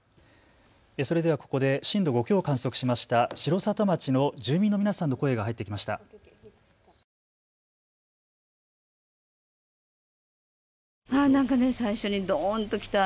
それではここで震度５強を観測しました城里町の住民の皆さんの声が入ってきました。